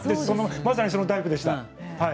まさにそのタイプでした。